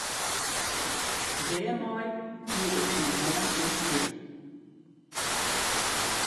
Dêrmei hied er syn hân oerspile.